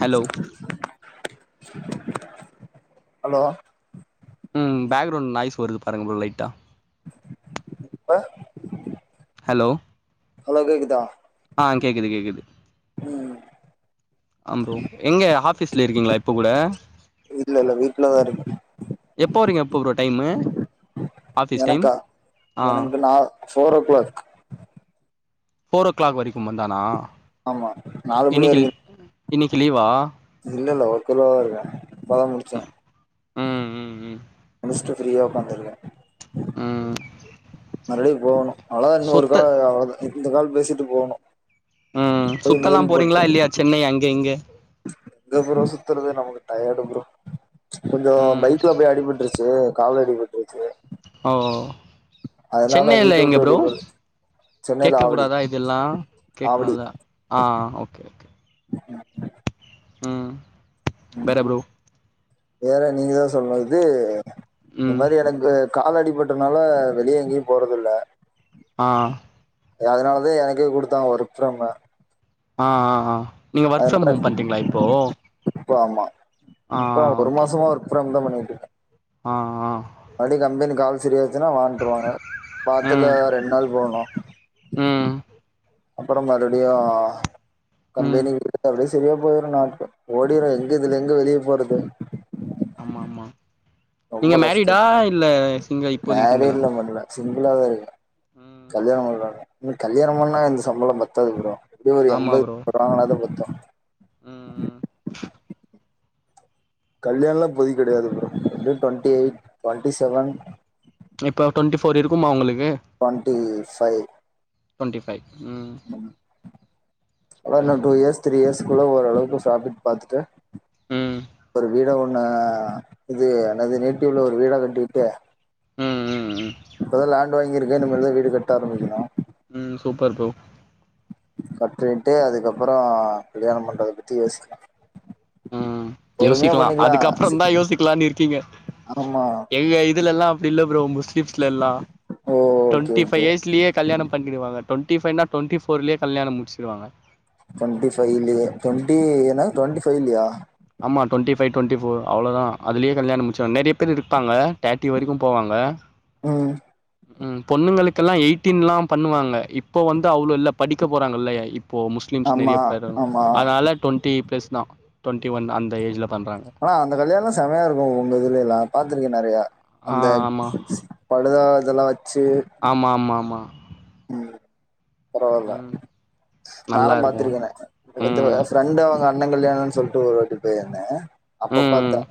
Hello hello ம் background noise வருது பாருங்க ப்ரோ லைட்டா அ ஹலோ ஹலோ கேக்குதா ஆ கேக்குது கேக்குது ம் ஆ ப்ரோ எங்க ஆஃபீஸ்ல இருக்கீங்ளா இப்போ கூட இல்ல இல்ல வீட்லதா இருக்க இப்ப ப்ரோ டைமு ஆஃபீஸ் டைம் எனக்கா ஆ எனக்கு நா four o'clock four o'clock வரைக்கும் மந்தானா ஆமா நாலு மணி வரைக் இன்னிக்கு லீவா இல்ல இல்ல ஒர்க்ல தா இருக்கே இப்பதா முடிச்சே ம் ம் ம் ஸ்ட்டு ஃப்ரீயா உக்காந்துருவே ம் மறுஃடி போணு அவ்ளதா இன்னு ஒரு சுத்த கால் அவ்ள தா இந்த கால் பேசிட்டு போணு ம் சுத்தலாம் போறீங்ளா இல்லியா சென்னை அங்க இங்க எங்க ப்ரோ சுத்தறது நமக்கு டயடு ப்ரோ கொஞ்சோ ம் பைக்ல போய் அடிபட்ருச்சு கால்ல அடிபட்ருச்சு ஓ சென்னைல வீட்ட எங்க விட்டு ப்ரோ வெளிய போறது சென்னையில கேட்க ஆவடி கூடாதா இதெல்லா ஆவடி கேக்லால ஆ ஓகே ஓகே ம் வேற ப்ரோ வேற நீங்கதா சொல்னு இது இந்த ம் மாரி எனக்கு காலடி அடிப்பட்டதுனால வெளிய எங்கியு போறதில்ல ஆ அதனாலதா எனக்கே குடுத்தாங்க ஒர்க் ஃப்ரம்மு ஆ ஆ ஆ நீங்க ஒர்க் ஃப்ரம் ஹோம் பண்ட்டிங்ளா இப்போ இப்ப ஆமா ஆ இப்ப ஒரு ஓகே மாசமா ஒர்க் ஃப்ரம்தா பண்ணிட்ருக்கே ஆ ஆ அடி கம்பெனி கால் சரியாய் ஞ்சினா வான்ட்ருவாங்க வாரத்துல ம் ரெண் நாள் போணு ம் அப்ற மறுடியு ம் கம்பெனி [unintelligible] அப்டியே செரியா போயிரு நாட்கள் ஓடிரு எங்க இதுல எங்க வெளிய போறது ஆமா மா ரொம்ப நீங்க மேரிடா கஷ்டம் இல்ல சிங்க இப்போதைக்கு சிங்களா மேரேஜ்லா பண்ல சிங்கிளாதா இருக்கே ம் கல்யாண [unintelligible] இன்னு கல்யாணம் பண்ணா இந்த சம்பளம் பத்தாது ப்ரோ எப்டியோ ஒரு ஆமா எம்பது ப்ரோ [unintelligible] பத்து ம் ம் கல்யாண்லா இப்போதிக் கெடையாது ப்ரோ எப்டியு டொண்ட்டி எயிட் டொண்ட்டி செவன் இப்ப டொண்டி ஃபோர் இருக்குமா உங்களுக் டுவன்ட்டி ஃபை டுவண்டி ஃபை ம் அதா இன்னு super two years three years குள்ள ஓரளவுக்கு ப்ராபிட் பாத்துட்டு ம் ஒரு வீட ஒன் ஆ இது என்னது நேட்டிவ்ல ஒரு வீட்ட கட்டிட்டு ம் ம் ம் இப்பதா லேண்ட் வாங்கியிருக்க இனிமேல் தா வீடு கட்ட ஆரம்பிக்கணு ம் சூப்பர் ப்ரோ கட்டிட்டு அதுக்கப்ரோ கல்யாணம் பண்றத பத்தி யோசிக்கலா ம் பொறுமையா யோசிக்கலா பண்ணிக்கலா அதுக்கப்புற தா யோசிக்கலான் இருக்கீங்க ஆமா எங்க இதுலல்லா அப்டி இல்ல ப்ரோ முஸ்லிம்ஸ்ல எல்லா ஓ ஓகே டுவெண்டி பை ஓகே இயர்ஸ்லயே கல்யாணம் பண்ணிடுவங்க டுவென்டி ஃபைவ் இல்லனா டுவேண்டி டி ஃபோர் லயே கல்யாணம் முடிச்சடுவாங்க டுவென்டி ஃபைவ்லயே வெண்டி என்ன டுவெண்டி ஃபைவ்லையா ஆமா twenty five twenty four அவ்வளதா அதுலயே கல்யாண முச்ச நெறயபேர் இருப்பாங்க தேட்டி வரைக்கு போவாங்க ம் ம் பொண்ணுங்கக்கெல்லா எயிட்டீன் எல்லா பண்ணுவாங்க இப்ப வந்து அவ்ளோ இல்ல படிக்க போறாங்க இல்ல முஸ்லிம்ஸ் நிறைய ஆமா பேர் ஆமா அதால டுவென்டி பிளஸ் தான் டுவென்டி ஒன் அந்த ஏஜ்ல பண்றாங்க. ஆனா அந்த கல்யாண எல்லா செமையா இருக்கு உங்க இதுல எல்லா பாத்திருக்க நெறைய ஆ அந்த படு தா இதெல்லா வே ஆமாமாமா பரவால்ல ம். நல்லா நாலா இருக்கும். பாத்திருக்கேனே ஓருத்தவ ம். ஃப்ரெண்டு அவுங்க அண்ண கல்யாண சொல்ட்டு ஒரு வாட்டி போயிருந்தே அப்ப ம், ம், பாத்த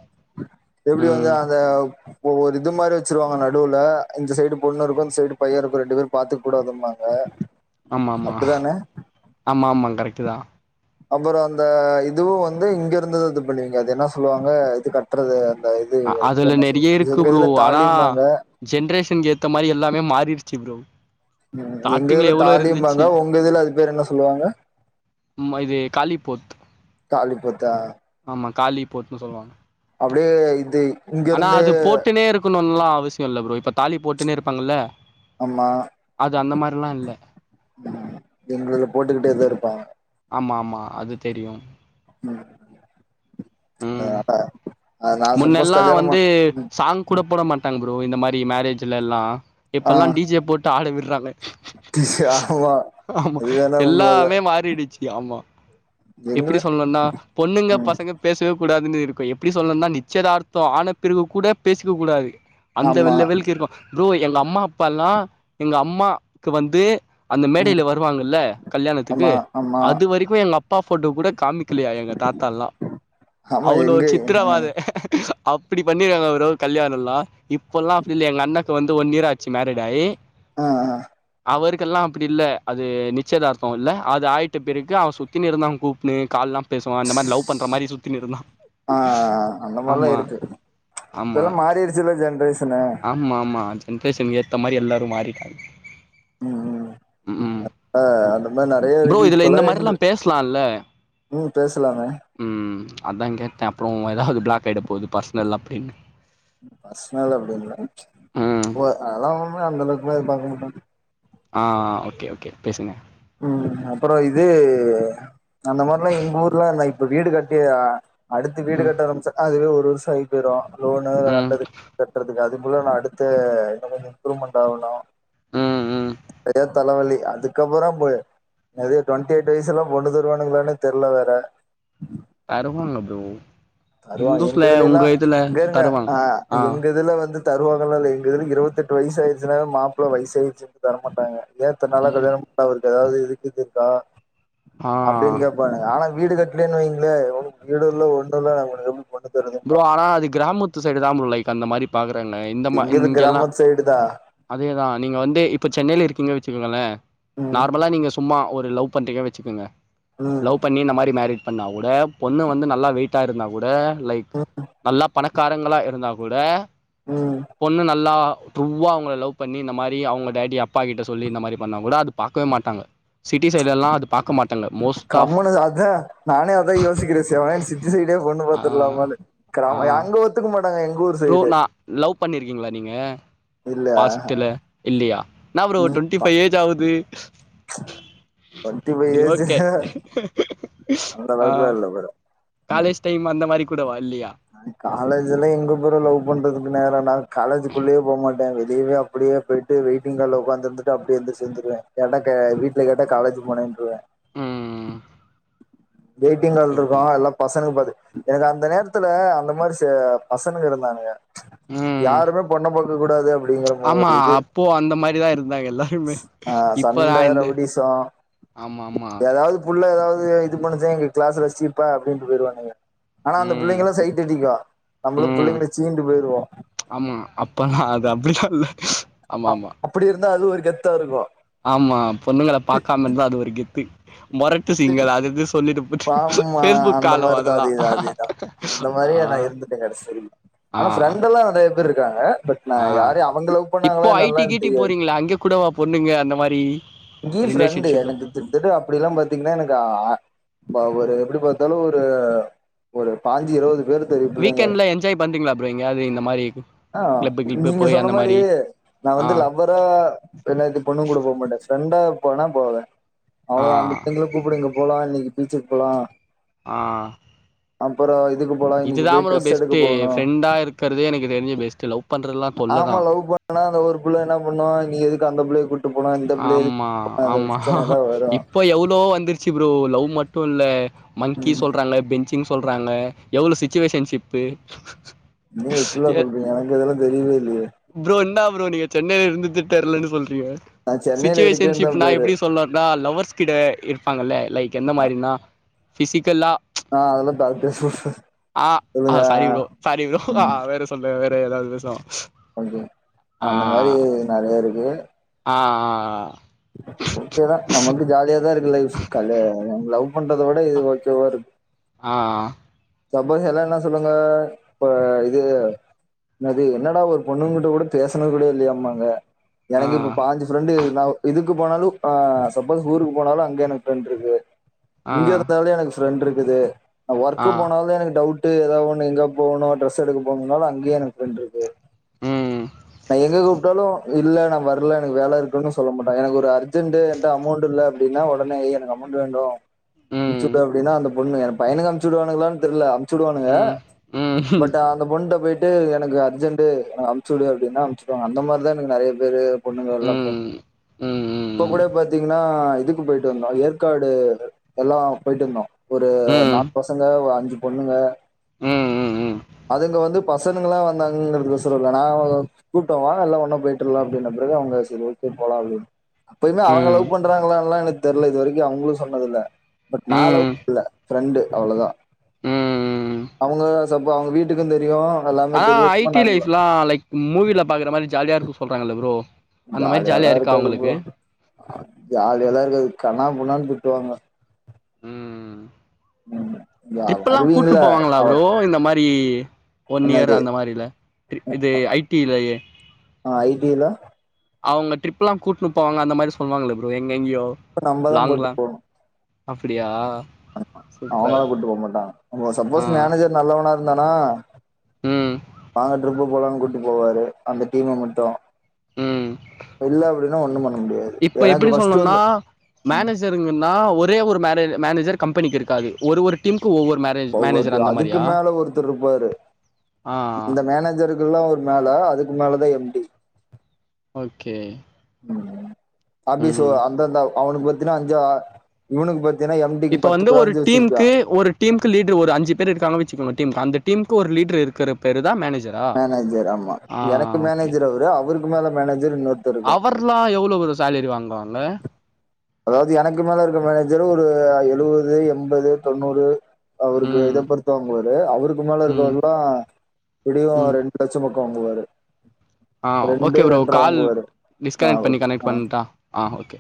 எப்டி வந்து ம். அந்த இப்ப ஒரு இது மாரி வெச்சுருவாங்க நடுவுல இந்த சைடு பொண்ணு இருக்கு இந்த சைடு பைய இருக்கு ரெண்டு பேரு பாத்து கூடாதும்பாங்க ஆமா ஆமா அப்டிதானே ஆமா ஆமா கரெக்ட்டு தா அப்பறோ அந்த இதுவு வந்து இங்க இருந்து இது பண்ணுவிங்க அது என்னா சொல்லுவாங்க இது கட்றது அ அதுல நெறைய இருக்கு ப்ரோ ஆனா தாலிம்பாங்க ஜென்ரேஷனுக்கு ஏத்த மாரி எல்லாமே மாரிருச்சி ப்ரோ ம் எங்க ஸ்டார்ட்டிங்ல இதுல எவ்ளோ இருந்துச்சு. தாலிம்பாங்க உங்க இதுல அது பேரு என்ன சொல்வாங்க ம்ம இது காலிபோத் தாளிப்பு ஆமா காலி போட்டுன்னு சொல்லுவாங்க அப்டியே இது ஆனா இங்கருந்து அது போட்டுனே இருக்கணுனு எல்லா அவசிய இல்ல ப்ரோ இப்ப தாலி போட்டுனே இருப்பாங்கல்ல ஆமா அது அந்த மாரில்லா இல்ல எங்கது போட்டுக்கிட்டேதா இருப்பாங்க ஆமா ஆமா அது தெரியு ம் ம் அது நா சப்போஸ் முன்னெல்லா கல்யாணம் வந்து பண் ம் சாங் கூட போட மாட்டாங்க ப்ரோ இந்த மாரி மேரேஜ்ல எல்லா ஆ இப்பல்லா டிஜே போட்டு ஆட விடுறாங்க ஆமா ஆமா அது வேணா உண்மதா எல்லாமே மாறிடுச்சு ஆமா எங்கள எப்படி சொல்லணுனா பொண்ணுங்க ம் பசங்க கூடாதுனு இருக்கு எப்படி சொல்லணுனா நிச்சயதார்த்தம் ஆனப்பிறகு கூட பேசிக்க கூடாது அந்த ஆமா வெல் லெவலுக்கு இருக்கு ப்ரோ எங்க அம்மா அப்பா எல்லா எங்க அம்மாக்கு வந்து அந்த ம் மேடையில வருவாங்கல்ல கல்யாணத்துக்கு ஆமா ஆமா அது வரைக்கு எங்க அப் அப்பா ஃபோட்டோ கூட காமிக்கலையா எங்கள் தாத்தாலா ஆமா அவளோ எங்க சித்ரவாத அப்படி பண்ணிருக்காங்க அவர் அவர் கல்யாணல்லா இப்பெல்லா அப்படி இல்லை எங்க அண்ணாக்கு வந்து ஒன் இயர் ஆச்சு மேரட் ஆகி ஆ ஆ அவருக்கெல்லா அப்டி இல்ல அது நிச்சயதார்த்த இல்ல அது ஆயிட்ட பிறகு அவன் சுத்தினு இருந்தா கூப்புட்ன்னு கால்லா பேசவா அந்த மாரி லவ் பண்ற மாரி சுத் ஆ ஆ அந்த மாரிலா ஆமா இருக்கு ஆமா இப்பெல்லா மாறிடுச்சுல்ல ஜென்ரேஷனு ஆமா ஆமா ஜென்ரேஷன்க்கு ஏத்த மாரி எல்லாரு மாறிட்டாங்க ம் ம் ம் ஆ அந்த மாரி நெறைய ப்ரோ இருக்கு இதுல இப்பல இந்த எங்க மாரிலா பேசலால்ல ம் பேசலாமே ம் அதா கேட்டே அப்புற ஏதாவது பிளாக் ஆகிட போது பர்சனல் அப்டின்னு பர்ஷ்னல் அப்டின்ல ச் ம் அதெல்லா ஒன்னு அந்த அளவுக்குலா எதிர் பாக்க மாட்டாங்க ஆ ஆ ஓகே ஓகே பேசுங்க ம் அப்புறோ இது அந்த மாரிலா எங்க ஊர்லல்லா இப்ப வீடு கட்டி அடுத்து வீடு ம் கட்ட ஆரம்பிச்ச அதுவே ஒரு வருஷ ஆகி போயிறு லோனு கட்ட ம் கட்டுறதுக்கு அது லோனு அடுத்த இன்னோ கொஞ்ச இம்ப்ரூவ்மெண்ட் ஆகணு ம் ம் நெறையா தலைவலி அதுக்கப்பறம் ப்ப நெறைய டுவெண்டி எயிட் வயசுல எல்லா பொண்ணு தருவானுங்களானனு தெர்ல வேற அருமல்ல ஃப்ரோ அதுவா எங்க இதுல எல்லா இங்கருங்க தருவாங்க அ ஆ எங்க இதுல வந்து தருவாங்கல்லா இல்ல எங்க இதுல இருவத் எட்டு வயசாயிச்சுனால மாப்ள வயசாயிடுச்சுன்னு தர மாட்டாங்க ஏ இத்தனால கல்யாணம் பண்ல அவருக் ஏதாவது இதுக்கு இது இருக்கா ஆ அப்டின்னு கேட்பானுங்க ஆனா வீடு கட்லன்னு வைங்களே ஒனக் வீடு உள்ள ஒண்ணு இல்ல நாங் உனக் எப் ப்ரோ ஆனா அது கிராமத்து சைடு தா லைக் அந்த மாரி பாக் ன்னு இந்த மா எங்கது இங்கெல்லா கிராமத்து சைடு தா அதேதா நீங்க வந்து இப்போ சென்னையில இருக்கீங்க வச்சுக்கோங்களே ம் நார்மலா நீங்க சும்மா ஒரு லவ் பண்றீங்க வச்சுக்கோங்க ம் லவ் பண்ணி இந்த மாரி மேரி பண்ணா கூட பொண்ணு வந்து நல்லா வெயிட்டா இருந்தா கூட லைக் ம் நல்லா பணக்காரங்களா இருந்தாக் கூட ம் பொண்ணு நல்லா ட்ரூவ்வா அவங்ள லவ் பண்ணி இந்த மாரி அவங்க டேடி அப்பா கிட்ட சொல்லி இந்த மாரி பண்ணாக்கூட அது பாக்கவே மாட்டாங்க சிட் டி சைடுல்லா அது பாக்கமாட் கம்மனு அதா நானே அதா யோசிக்கிறே சிவனேன்னு சிட்டி சைடே பொண்ணு ஆ பாத்துல்லாமானு ஆ கராம அங்க ஒத்துக்மாட் ப்ரோ நான் லவ் பண்ணிருக்கீங்களா நீங்க இல்ல ஃபாஸ்ட்டுல இல்லையா என்னா ஃப்ரோ டுவெண்டிஃபைவ் ஏஜ் ஆவுது டுவென்டி ஃபைவ் இயர்ஸு ஓகே அந்த ஆ அளவுக்குல இல்ல ஃப்ரோ காலேஜ் டைம் அந்த மாரி கூடவா இல்லையா நா காலேஜ்லா எங்க போற லவ் பண்றதுக்கு நேர நா காலேஜ்க்குள்ளயே போ மாட் டேன் வெளியேவே அப்டியே போயிட்டு வெயிட்டிங்ஹால்ல உக்காந்து இருந்துட்டு அப்டியே ஏந்திருச்சி வந்துருவே கேட்டா கா வீட்ல கேட்ட காலேஜ் குடுக்க மாட்டேன்ருவ ம் வெயிட்டிங்ஹால் இருக்கு சூப்பர் எல்லா பசங்க படு எனக்கு அந்த நேரத்துல அந்த மாரிசு பசங்கங் இருந்தாங்க ம் யாருமே பொண்ண பாக் கூடாது அப்டின்னு அப்படிங்கற ஆமா ஒரு இது அப்போ அந்த மாரிதா இருந்தாங்க எல்லாருமே ஆ இப்பதா சண்ட இந்த ரவுடிச ஆமா ஆமா எதாவது புல்ல எதாவது இது பண்ணுச்சே எங்க கிளாஸ்ல ச்சி பெ அப்டின்ட்டு போயிடுவானுங்க ஆனா அந்த ம் புள்ளைங்கல்லு சைட்டடிக்கு ம் ஆமா அப்பனா அது அப்டில்லா இல்ல ஆமா ஆமா நல்லா அது ஒரு கெத்தா இருக்கு ஆமா பொண்ணுங்கள பாக்காம இருந்தா அது ஒரு கெத்து மொரட்டு சிங்கள் அது இது சொல்லிட்டுப் பாம்மா அந்த மாரிதா அதேதா அதேதா அந்த மாரியே நா இருந்துட்டே கடசிவரைங் ஆ ஆ ஆனா ஃப்ரெண்ட்டெல்லா நெறைய பேர் இருக்காங்க பட் நான் ஆ யாரையு அவங்க லவ் இப்போ பண்ணாங்களா ஐ டி என்னல்லா கீட்டி தெரியாது போறீங்களா அங்க கூடவா பொண்ணுங்க அந்த மாரி டீப் ஃப்ரெண்டு ரிலேஷன்ஷிப்ல எனக்கு கிட்டத்தட்ட அப்டில்லா பாத்தீங்கன்னா எனக்கு ஆ இப்ப ஒரு எப்டி பாத்தாலு ஒரு ஒரு பாஞ்சி இருவது பேரு வீக்கெண்ட்ல என்ஜாய் பண்றீங்களா ஃப்ரோ எங்கயாவது இந்த மாரி ஆ கிளப்பு கிளப்பு நீங்க போய் சொன்ன அந்த மாரி நா ஆ வந்து லவ்வரா என்னா இது பொண்ணுங் கூட போமாட்டே ப்ரெண்ட் ஃப்ரெண்டா போனா போவே ஆ அவ்ளோதா அந்த புள்ளைங்கலு கூப்படுங்க போல இன்னைக்கு பீச்சுக்கு போலா ஆ அப்புறோ த் இதுக்கு போலா இன்னைக்கு இதுதா போய் ப்ரோ ட்ரெஸ் எடுக்க பெஸ்ட்டு போணு ஃப்ரெண்டா இருக்கறதே எனக்கு தெரிஞ்சு பெஸ்ட்டு லவ் பண்றதுலா தொல்ல தா நாம லவ் பண்ணா ஒரு புள்ள என்ன பண்ணு நீ எதுக்கு அந்த புள்ளைய கூட்டு போன இந்த புள்ளைய ம்மா எதுக்கு அது ஆமா பிரச்சன எல்லா வரு இப்ப எவ்ளோ வந்துருச்சு ஃப்ரோ லவ் மட்டு இல்ல மங்கி ம் சொல்றாங்க பெஞ்சிங் சொல்றாங்க எவ்ளோ சிச்சுவேஷன்ஷிப்பு என்னங்க இப்பெல்லா சொல்றீங்க எனக்கு இதெல்லா தெரிய ஃப்ரோ என்ன ஃப்ரோ நீங்க சென்னையில இருந்துட்டு தெரெலன்னு சொல்றீங்க நா சென்னைல இருக்கேன்தா சிச்சுவேஷன்ஷிப்னா பெ எப்டி சொல்றதுனா லவர்ஸ் கிட்ட இருப்பாங்கல்ல லைக் எந்த மாரினா ஃபிசிக்கல்லா ஆ அதெல்லா ஆ அ சொல்லுங்க சாரி ஃப்ரோ சாரி ஃப்ரோ ஆ ம் வேற சொல்லுரே வேற வே ஏதாவது பேசுவோ ஓகே அந்த மாரி நறைய இருக்கு ஆ ஆ ஆ ஓகேதா நமக்கு ஜாலியாதா இருக்கு லைஃப்ஸ் கல்லு உங்க லவ் பண்றத விட இது ஓகேவா இருக் ஆ ஆ சப்போஸ் எல்லா என்ன சொல்லுவாங்க இப்ப இது என்னது என்னடா ஒரு பொண்ணுங்குட்ட கூட பேசணுது கூட இல்லையாம்பாங்க ஆ எனக்கு இப்ப பாஞ்சு ஃப்ரெண்டு நௌ இது க்கு போனாலு ஆ சப்போஸ் ஊருக்கு போனாலு அங்கெனக் இருக்கு ஆ இங்க இருந்தாலு எனக் ஃப்ரெண்ட் இருக்குது நா ஆ ஒர்க்கு போனாவ்தா எனக் டவுட் டு எதாவ் ஒன்னு எங்கா போணு ட்ரெஸ் எடுக்க போணும்னாலு அங்கையி எனக் ஃப்ரெண்டிருக்கு ம் நா எங்க கூப்ட்டாலு இல்ல நா வர்ல எனக்கு வேல இருக்குன்னு சொல்ல மாட்டாங்க எனக்கு ஒரு அர்ஜென்ட்டு என்ட்ட அமோண்ட்டில் ல அப்டினா ஒடனே ஏய் எனக்கு அமோண்டு வாய்ண்டு வா ம் அம்ச்சுட்டாப்டினா அந்த பொண்ணு எ பையனுக்கு அம்ச்சுடுவானுக்கிலான் தெர்ல சுடுவானுக ம் ம் பட் அந்த பொண்ட்ட போயிட்டு எனக்கு அர்ஜென் அம்ச்சுடு அப்டினா அம்ச்சிடு வாங்க அந்த மாத்ரிதா எனக்கு நெறையா பேரு பொண்ணுங்கல்லா போ ம் ம் ம் இப்ப ம் கூட பாத்தீங்கன்னா இதுக்கு போயிட்டு வந்தோ அது ஏற்காடு எல்லா போயிட்டு வந்தோ ஒரு ம் நால் பசங்க அஞ்சு பொண்ணுங்க ம் ம் அதுங்க வந்து பசங்கங்கால வந்தாங்கங்கிறதகொசரோ இல்ல நா கூப்ட்ட வா எல்லா ஒன்னா போயிட்டு வர்லா அப்டின பிறகு அவுங்க செரி ஓகே போலா அப்டின் அப்பயிமே அவுங்க ம் லவ் பண்றாங்களல்லா எனக்கு தெர்ல இது வரைக்கு அவங்களு சொன்னதில்ல பட் நா லவ் ம் பண்ல்ல ஃப்ரெண்டு் அவ்ள தா ம் ம் அவங்க சப்ப அவ்ங்க வீட்டுக்கு தெரியு எல்லாமே ஆ தெரியு ஐ சும்மா டி நார்மலா லைஃப்ல்லா லைக் மூவில பாக்குற மாரி ஜாலியா இருக்கு சொல்றாங்கல்ல ப்ரோ அந்த மாரி ஜாலியாலா ஜாலியா இருக்கா இருக்காது உங்களுக்கு ப்ரோ ஜாலியாலா இருக்காது கன்னா புன்னான்த் திட்டுவாங்க ம் யா ட்ரிப்பெல்லா கூட்டு வருவீங்கள போவாங்களா அவ ப்ரோ இந்த மாரி ஒன் இயர் என்னது அந்த மாரில ட்ரி இது ஐ டி லயே ஐ டி ல அவ்ங்க ட்ரிப் எல்லா கூட்ன்போவாங்க அந்த மாரி சொன்னாங்ளே ப்ரோ எங் எங்யோ நம்பதா லாங்லா அப்டியா ஆமா அவ்ங்கள சூப்பர் கூட்டு போ மாட்டாங்க உங்க ஆ சப்போஸ் மேனேஜர் நல்லவனா இருந்தானா ம் வாங்க ட்ரிப்பு போலான் கூட்டு போவாரு அந்த டீம மட்டு ம் இல்ல அப்டினா ஒன்னு பண் இப்ப எப்டி சொல்ணுனா மேனேஜருங்கன்னா ஒரே ஒரு மேரே மேனேஜர் கம்பெனிக்கிருக்காது ஒரு ஒரு டீம் ஒவ்வொர்தர் அதுக்கு மேல ஒருத்தர்ருப்பாரு ஆ இந்த மேனேஜருகல்ல ஒரு மேல அதுக்கு மேலதா எம் டி ஓகே ஆபி சோ ம் அந்தந்த அவனுக் பாத்தினா அஞ்சு அ இவுனுக் பாத் இப்ப வந்து ஒரு டீம்க்கு ஒரு டீம்க்கு லீடர் ஒரு அஞ்சு பேர் இருக்காங்க வெச்சுக்கோங்க டீம்க்கு அந்த டீம்க்கு ஒரு லீடர் இருக்கிற பேரு தா மேனேஜ் மேனேஜர் ஆமா எனக்கு மேனேஜர் அவரு அவருக்கு மேல மேனேஜர் இன்னொர்தர்ருக்கார் அவர்லா [unintelligible] சேலரி வாங்குவ அதாவ்து எனக்கு மேலா இருக்க மேனேஜரு ஒரு எழுவ து எம்பது தொண்ணூறு அவருக்கு ம் இதப்பொறுத்து வாங்குவாரு அவருக்கு மேல ம் இருக்கறவர்ல்லா எப்டியு ம் ஒரு ரெண்டு லட்சம் பக் கோ வாங்வாரு ஆ ஓகே ப்ரோ கால் ஆ டிஸ்கனெட் பண்ணி ஓகே கனெட் ஆ பண்ட்டா ஆ ஓ கே